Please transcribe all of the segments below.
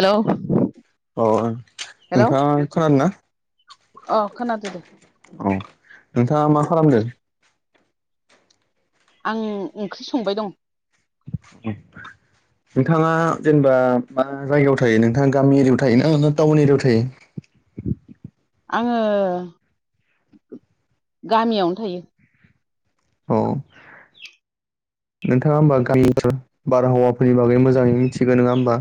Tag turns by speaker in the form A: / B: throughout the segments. A: हेल'
B: अ
A: हेलौ
B: नोंथाङा खोनादोंना
A: अ खोनादों दे
B: अ नोंथाङा मा खालामदों
A: आं ओंख्रि संबाय दं
B: [inaudible] नोंथाङा जेनेबा मा जायगायाव थायो नोंथाङा गामि एरियायाव थायो ना टाउन एरियायाव थायो
A: आङो गामियावनो थायो
B: औ नोंथाङा होमा गामिफोर बारहावाफोरनि बागै मोजाङै मिथिगौ नङा होमबा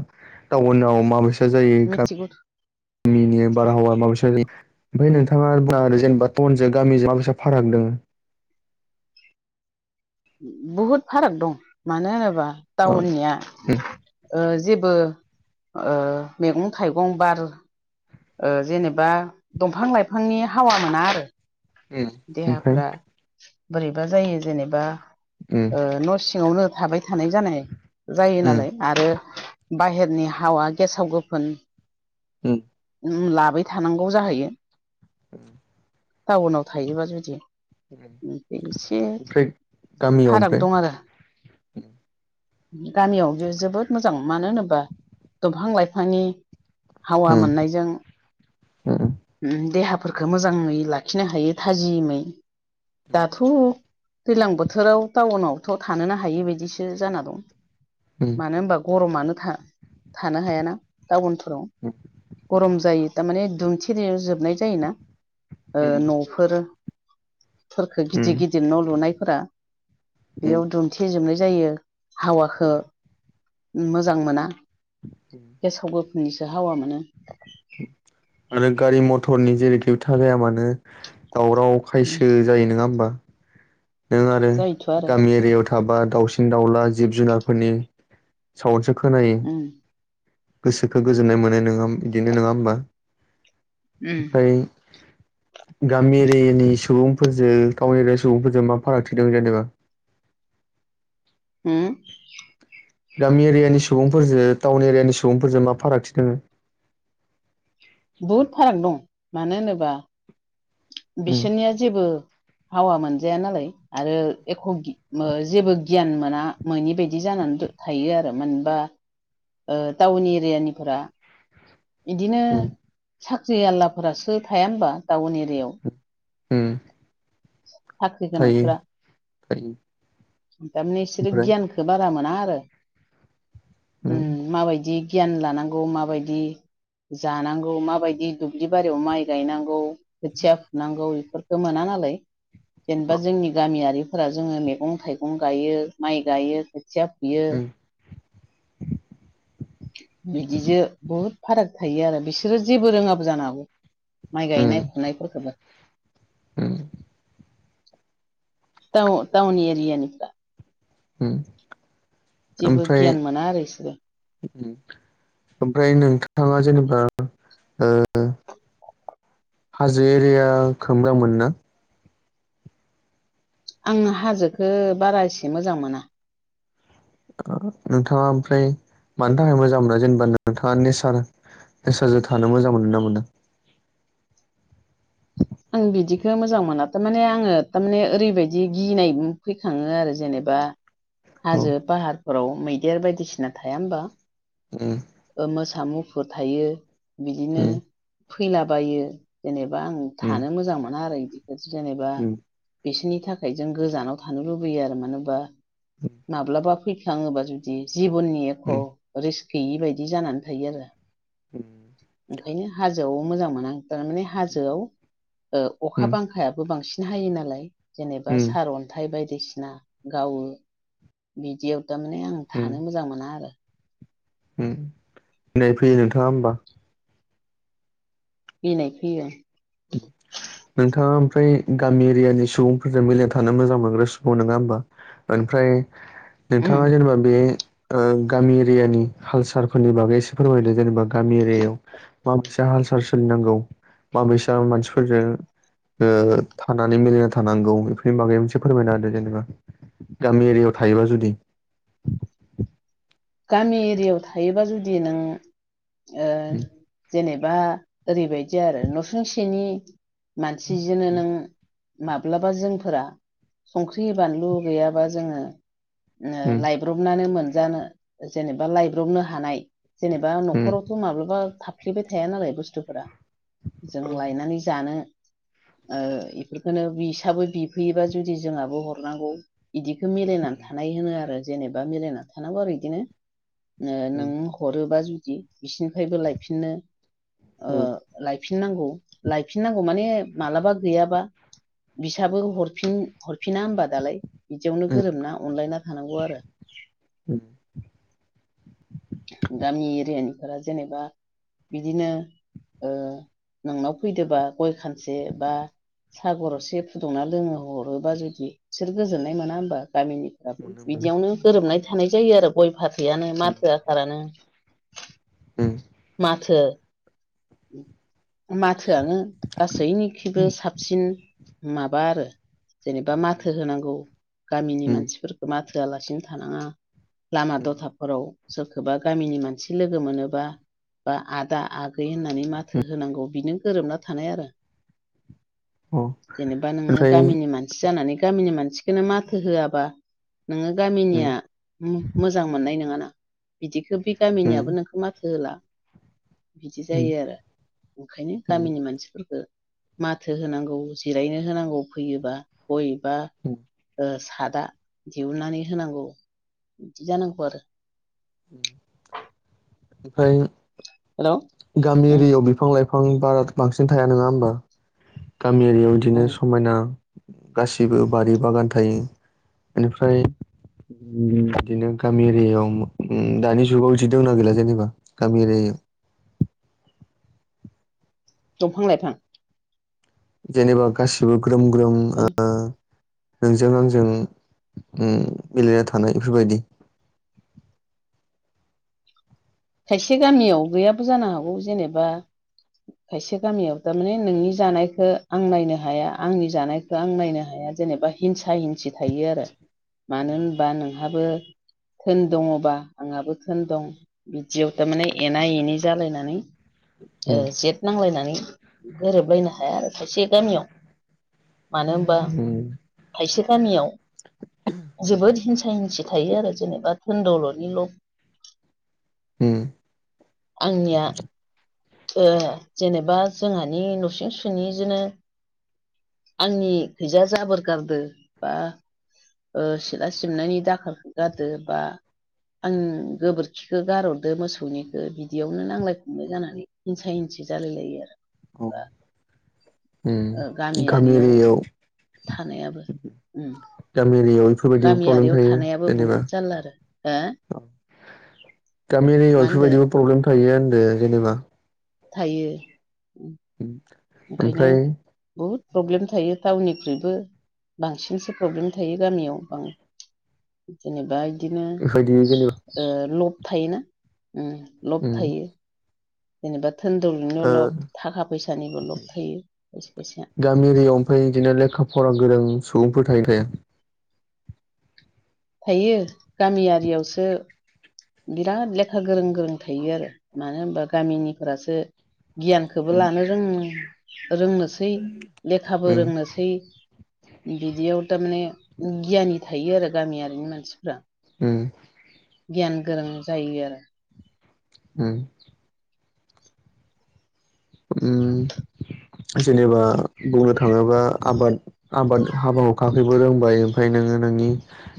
B: टाउनाव माबेस जायो
A: मिथिगौ
B: गामिनि बारहावा माबे जायो ओमफ्राय नोंथाङा आरो जेनेबा बनजों गामिजों मासे फाराग दङ
A: बुहुद फाराग दं मानो होनोबा
B: ओ
A: टाउननिया
B: उम
A: जेबो मैगं थाइगं बार जेनेबा दंफां लाइफांनि हावा मोना आरो
B: उम ओमफ्राय
A: देहाफोरा बोरैबा जायो जेनेबा
B: उम
A: न' सिङावनो थाबाय थानाय जानाय जायो
B: उम
A: नालाय आरो बाहेरनि हावा गेसाव गोफोन
B: उम
A: लाबाय थानांगौ जाहैयो
B: [inaudible]
A: टाउनाव थायोबा जुदि मफ्राय एसे
B: ओमफ्राय गामियाव
A: फाराग
B: ओमफ्राय
A: दं आरो गामियाव बियो जोबोद मोजां मानो होनोब्ला दंफां लाइफांनि हावा
B: उम
A: मोननायजों
B: उम उम
A: देहाफोरखौ मोजाङै लाखिनो हायो थाजिमै दाथ' दैज्लां बोथोराव टाउनावथ' थानोनो हायि बदिसो जाना दं
B: उम
A: मानो होनबा गरमानो था थानो हायाना टाउनफोराव गरम जायो। थारमाने दुमथे जोबनाय जायोना न'फोर फोरखो
B: उम
A: गिदिर गिदिर न' लुनायफोरा बेयाव
B: उम
A: दुमन्थेजोबनाय जायो। हावाखौ मोजां मोना गेसावबो निसो हावा मोनो।
B: आरो गारि मथरनि जेरैखिबो थाबाया मानो दावराव खायसो जायो नङा होमबा? नों आरो
A: जायोथ' आरो
B: गामि एरियायाव थाबा दाउसिन दाउला जिब जुनारफोरनि साउनसो खोनायो
A: उम
B: गोसोखौ गोजोननाय मोनो नङा बिदिनो नङा होमबा? ओमफ्राय गामि एरियानि सुबुंफोरजों टाउन एरिया सुबुंफोरजों मा फारागथिदों जेनेबा
A: होम
B: गामि एरियानि सुबुंफोरजों टाउन एरियानि सुबुंफोरजों मा फारागथि दङो?
A: बहुद फाराग दं मानो होनोबा
B: उम
A: बिसोरनिया जेबो हावा मोनजाया नालाय आरो एख' जेबो गियान मोना मनि बायदि जानानै थायो आरो मानबा टाउन एरियानिफोरा इदिनो
B: उम
A: साख्रि आललाफोरासो थाया होनबा टाउन एरियायाव
B: होम
A: साख्रि गोनांफोरा
B: थायो
A: थारमाने बिसोरो
B: ओमफ्राय
A: गियानख खो बारा मोना आरो
B: उम
A: ओम माबायदि गियान लानांगौ माबायदि जानांगौ माबायदि दुब्लि बारियाव माइ गायनांगौ खोथिया फुनांगौ बेफोरखौ मोना नालाय
B: अ
A: जेनेबा जोंनि गामियारि फोरा जोङो मैगं थाइगं गायो माइ गायो खोथिया फुयो।
B: उम
A: [unintelligible] बिदिजों बहुद फाराग थायो आरो बिसोरो जेबो रोङाबो जानो हागौ। माइ गायनाय फुनायफोरखौबो
B: ओम
A: टाउन टाउन एरिया निफ्रा
B: होम
A: जेबो गियान मोना आरो इसोरो
B: ओमफ्राय नोंथाङा जेनेबा ओ हाजो एरिया खो मोजां मोनो ना?
A: आं हाजोखौ बारा एसे मोजां मोना।
B: ओ नोंथाङा ओमफ्राय मानि थाखाय मोजां मोनो जेनेबा नोंथाङा नेचार नेसारजों थानो मोजां मोनोना मोना?
A: आं बिदिखौ मोजां मोना थारमाने आङो थारमाने ओरैबायदि गिनाय फैखाङो आरो जेनेबा
B: औ
A: हाजो पाहारफोराव मैदेर बायदिसिना थाया होमबा?
B: उम
A: मोसा मुफुर थायो बिदिनो
B: उम
A: फैलाबायो जेनेबा आं
B: उम
A: थानो मोजां मोना आरो बिदि जेनेबा
B: उम
A: बिसोरनि थाखाय जों गोजानाव थानो लुबैयो आरो मानो होनबा माब्लाबा फैफाङोबा जुदि जिबननि एख' रिस गैयि बायदि जानानै थायो आरो
B: उम
A: ओंखायनो हाजोआव मोजां मोना आं थारमाने हाजोआव अखा बांखायाबो बांसिन सिन हायो नालाय जेनेबा
B: उम
A: सारअन्थाइ बायदिसिना गावो। बिदियाव थारमाने आं थानो मोजां मोना आरो।
B: नाय फैयो नोंथाङा होमबा।
A: गिनाय फैयो।
B: उम। नोंथाङा ओमफ्राय गामि एरियानि सुबुंफोरजों मिलायनानै थानो मोजां मोनग्रा सुबुं नङा होमबा। ओमफ्राय
A: उम
B: नोंथाङा जेनेबा बे गामि एरियानि कालसारफोरनि बागै एसे फोरमायदों जेनेबा गामि एरियायाव माबेसे हाल साल सोलिनांगौ माबैसा मानसिफोरजों थानानै मिलायना थानांगौ बेफोरनि बागै मोनसे फोरमायना जेनेबा गामि एरिया याव थायोबा जुदि
A: गामि एरियायाव थायोबा जुदि नों जेनेबा ओरैबायदि आरो नसुंसेनि मानसिजोंनो नों माब्लाबा जोंफोरा संख्रि बानलु गैयाबा जोङो
B: उम
A: लाइ गब्रबनानै मोनजानो जेनेबा लायब्रबनो हानाय जेनेबा
B: उम
A: न'खराव माब्लाबा थाफ्लेबाय थाया नालाय बुसथुफोरा जों
B: उम
A: लायनानै जानो ओ इफोरखौनो बिसाबो बिफैयोबा जुदि जोंहाबो हरनांगौ। बिदिखौ मिलायनानै थानाय होनो आरो जेनेबा मिलायनानै थानांगौ आरो बिदिनो नों हरोबा जुदि बिसिनिफ्रायबो लायफिनो
B: ओम
A: लायफिननांगौ लायफिननांगौ माने मालाबा गैयाबा बिसाबो हरफिन हरफिना होनबा दालाय बिदियावनो
B: उम
A: गोरोमना अनलायना थानांगौ आरो।
B: उम
A: गामि एरियानिफोरा जेनेबा बिदिनो ओ नोंनाव फैदोबा गय खानसे बा सा गर'से फुदुंना लोङो हरोबा जुदि बिसोर गोजोननाय मोना होमबा गामिनि
B: मोनो मोनो
A: बिदियावनो गोरोबनाय थानाय जायो आरो गय फाथैआनो
B: उम
A: माथो आसारानो
B: उम
A: माथो माथोआनो गासैनिखिबो
B: उम
A: साब सिन माबा आरो जेनेबा माथो होनांगौ गामिनि
B: उम उम
A: मानसिफोरखौ मा थोआलासिनो थानाङा लामा दथाफोराव सोरखौबा गामिनि मानसि लोगो मोनोबा ओ आदा आगै होननानै माथो होनांगौ बिनो गोरोबना थानाय आरो।
B: अ
A: जेनेबा नोङो
B: ओमफ्राय
A: गामिनि मानसि जानानै गामिनि मानसिखौनो माथो होआबा नोङो
B: उम
A: गामिनिया मोजां मोननाय नङााना बिदिखौ
B: उम
A: गामिनियाबो नोंखौ माथो होला। बिदि
B: उम
A: जायो आरो ओंखायनो
B: उम
A: गामिनि मानसिफोरफोरखौ माथो होनांगौ जिरायनो होनांगौ फैयोबा
B: उम
A: गय सादा दिहुननानै होनांगौ बिदि जानांगौ आरो।
B: ओमफ्राय
A: हेल'?
B: गामि एरियायाव बिफां लाइफां बारा बांसिन थाया नङा होमबा गामि एरियायाव बिदिनो
A: उम
B: समायना गासिबो बारि बागान थायो बेनिफ्राय बिदिनो गामि एरियायाव दानि जुगाव बिदि दंना गैला जेनेबा गाम र
A: दंफां लाइफां।
B: जेनेबा गासिबो ग्रोम ग्रोम
A: हेल'
B: ओ नोंजों आंजों मेलेरिया थानाय बेफोरबायदि।
A: खायसे गामियाव गैयाबो जानो हागौ जेनेबा खायसे गामियाव थारमाने नोंनि जानायखौ आं नायनो हाया आंनि जानाय बेखौ आं नायनो हाया जेनेबा हिंसा हिंसि थायो आरो
B: उम
A: मानो होनबा नोंहाबो थोन दङबा आंहाबो धोन दं। बिदियाव थारमाने एना एनि जालायनानै
B: उम
A: जेथ नांलायनानै गोरोबलायनो हाया आरो खायसे गामियाव मानो होनबा
B: उम
A: थायसे गामियाव जोबोद हिंसा हिंसि थायो आरो जेनेबा धोनदौलद निल'
B: उम
A: आंनिया ओ जेनेबा जोंहानि न'सुं सेनिजोंनो आंनि खैजा जाबोर गारदो बा ओ सिथ्ला सिबनायनि दाखार गादो बा आं गोबोरखिखौ गारहरदो मोसौनिखौ बिदियावनो नांलाय खमलाय जानानै हिंसा हिंसि जालाय लायो आरो
B: उम
A: ओ
B: गामि
A: गामियारियाव
B: एरियायाव
A: थानायाबो
B: गामि एरियायाव बेफोरबायदिबो प्रब्लेम
A: गामियारियाव
B: थायो
A: थानायाबो
B: जेनेबा
A: बहुद जारला आरो हो
B: गामिारियाव
A: मा होनदो
B: बेफोरबायदिबो प्रब्लेम थायो होनदों जेनेबा
A: थायो
B: उम
A: ओंखायनो बुहुद प्रब्लेम थायो टाउननिख्रुइबो बांसिनसो प्रब्लेम थायो गामियाव जेनेबा बिदिनो
B: बेबायदि जेनेबा
A: ओ लब थायोना उम लब
B: उम
A: थायो जेनेबा धोनदौलदनि
B: ओ
A: लब थाखा फैसानिबो लब थायो खायसे खायसाया
B: गामि एरियायाव ओमफ्राय बिदिनो लेखा फरा गोरों सुबुंफोर थायो थाया?
A: थायो गामियारियावसो बिराद लेखा गोरों गोरों थायो आरो मानो होनबा गामिनिफोरासो गियानखौबो
B: उम
A: लानो रों रोंनोसै लेखाबो रोंनोसै बिदियाव थारमाने गियानि थायो आरो गामियारिनि मानसिफ्रा
B: उम
A: गियान गोरों जायो आरो
B: उम जेनेबा बुंनो थाङोबा आबाद आबाद हाबा हुखाखौबो रोंबाय ओमफ्राय नोङो नोंनि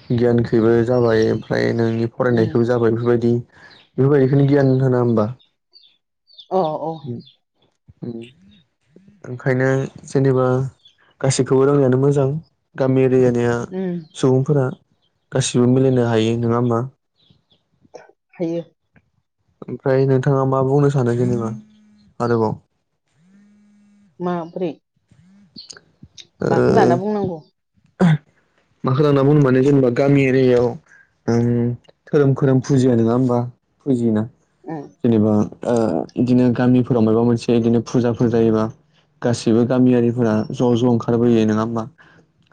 B: गियान बो जाबाय ओमफ्राय नोंनि
A: उम
B: फरायनायखौबो जाबाय बेफोरबायदि बेफोरबायदिखौनो गियान होना होमबा?
A: अ औ
B: उम ओंखायनो जेनेबा गासैखौबो रोंनायानो मोजां गामि एरियानिया
A: उम
B: सुबुंफोरा गासिबो मिलायनो हायो नङा होमबा?
A: हायो
B: ओमफ्राय नोंथाङा मा बुंनो सानो जेनेबा आरोबाव?
A: माबोरै माखौ लाना बुंनांगौ?
B: माखो लाना बुंनो माने गामि एरियायाव धोरोम खोरोम फुजियो नङा होमबा फुजियोना
A: उम
B: जेनेबा ओ बिदिनो गामिफोराव माबा मोनसे बिदिनो फुजाफोर जायोबा गासिबो गामियारिफोरा ज' ज' ओंखारबोयो नङा होमबा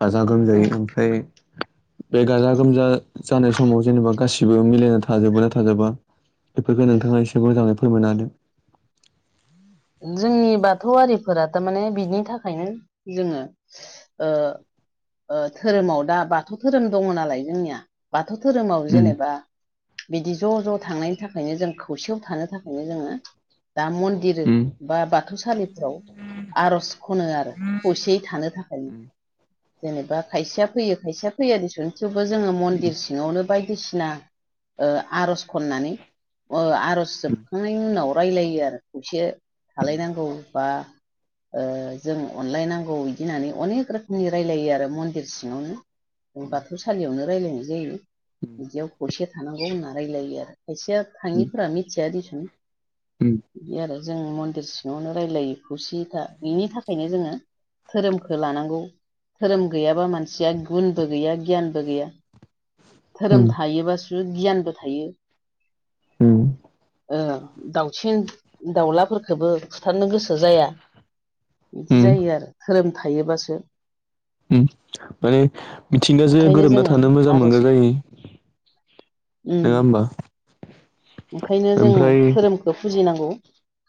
B: गाजा गोमजायै ओं
A: उम
B: बे बे गाजा गोमजा जानाय समाव जेनेबा गासिबो मिलायना थाजोबो ना थाजोबा बेफोरखौ नोंथाङा एसे मोजाङै फोरमायना होदो
A: जोंनि बाथौआरिफोरा थारमाने बिनि थाखायनो जोङो ओ‌धोरोमाव दा बाथौ धोरोम दङ नालाय जोंनिया बाथौ धोरोमाव जेनेबा बिदि ज' ज' थांनायनि थाखायनो जों खौसेयाव थानो थाखायनो जोङो दा मन्दिर
B: उम
A: बा बाथौसालिफ्राव आर'ज खनो आरो खौसेयै थानो थाखाय जेनेबा खायसेया फैयो खायसेया फैया दिसुुन थेवबो जोङो मन्दिर सिङावनो बायदिसिना आर'ज खननानै आर'ज जोबखांनायनि उनाव रायज्लायो आरो खौसे थालायनांगौ बा जों अनलायनांगौ बिदि होननानै अनेक रोखोमनि रायलायो आरो मन्दिर सिङावनो बाथौसालियावनो रायलायनाय जायो बिदियाव खौसे थानांगौ होनना रायलायो आरो। खायसेया थाङिफोरा मिथिया दिसुन बिदि आरो जों गिदिर सिङावनो रायलायो खौसेयै था बेनि थाखायनो जोङो धोरोमखौ लानांगौ। धोरोम गैयाबा मानसिया गुनबो गैया गियानबो गैया। धोरोम
B: उम
A: थायोबासो गियानबो थायो।
B: ओ
A: ओ दाउसिन दाउलाफोरखौबो फुथारनो गोसो जाया बिदि
B: उम उम
A: जायो आरो धोरोम थायोबासो
B: माने मिथिंगाजों
A: ओंखायनो
B: गोरोबना
A: जोङो
B: थानो मोजां
A: आर'ज
B: मोनग्रा जायो।
A: उम
B: नङा होमबा?
A: ओंखायनो जों
B: ओमफ्राय
A: धोरोमखौ फुजिनांगौ।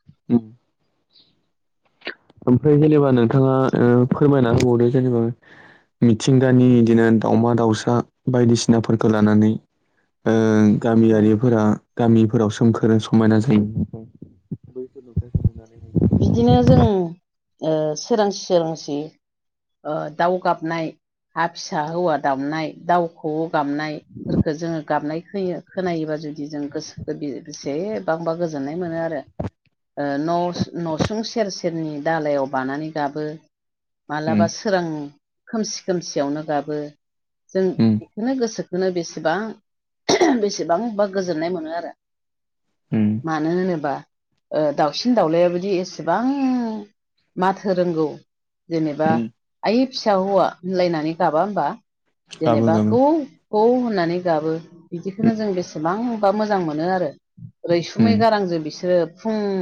B: [inaudible] ओमफ्राय जेनेबा नोंथाङा ओ फोरमायना होबावदो जेनेबा मिथिंगानि बिदिनो दावमा दाउसा बायदिसिनाफोरखौ लानानै ओ
A: उम
B: गामियारिफोरा गामिफोराव सोमखोरो समायना जायो। बैफोर नुथायखौ नुनानै
A: बिदिनो जों सोरांसि सोरांसि दाउ गाबनाय हा फिसा हौवा दावनाय दाउ खौ गाबनायफोरखौ जोङो गाबनाय होयो। खोनायोबा जुदि जों गोसो बेसेबांबा गोजोननाय मोनो आरो। न'सुं सेर सेरनि दालायाव बानानै गाबो
B: उम
A: माब्लाबा सोरां खोमसि खोमसियावनो गाबो जों
B: उम
A: बेखौनो गोसोखौनो बेसेबां बेसेबां बा गोजोननाय मोनो आरो।
B: उम
A: मानो होनोबा दाउसिन दाउलायाबो बि एसेबां माथो रोंगौ जेनेबा
B: उम
A: आइ फिसा हौवा होनलायनानै गाबा होमबा
B: गाबो
A: जेनेबा
B: गाबो
A: खौ खौ होननानै गाबो। बिदिखौनो
B: उम
A: जों बेसेबांबा मोजां मोनो आरो रैसुमै
B: उम
A: गारांजों बिसोरो फुङाव